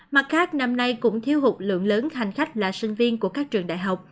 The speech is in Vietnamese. mặt khác năm nay cũng thiếu hụt lượng lớn hành khách là sinh viên của các trường đại học